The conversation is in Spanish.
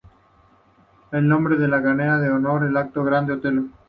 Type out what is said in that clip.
El nombre de Grande en honor al actor Grande Otelo.